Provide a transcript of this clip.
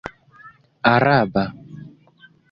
araba